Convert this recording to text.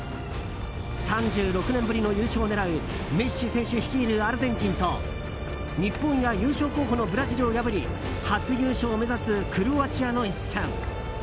３６年ぶりの優勝を狙うメッシ選手率いるアルゼンチンと日本や優勝候補のブラジルを破り初優勝を目指すクロアチアの一戦。